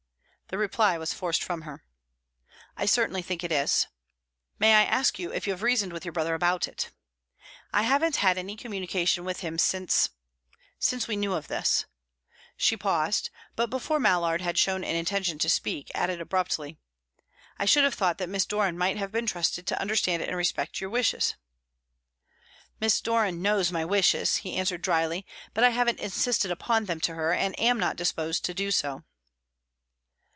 The reply was forced from her. "I certainly think it is." "May I ask you if you have reasoned with your brother about it?" "I haven't had any communication with him since since we knew of this." She paused; but, before Mallard had shown an intention to speak, added abruptly, "I should have thought that Miss Doran might have been trusted to understand and respect your wishes." "Miss Doran knows my wishes," he answered drily, "but I haven't insisted upon them to her, and am not disposed to do so."